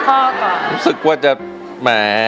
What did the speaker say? ร้องได้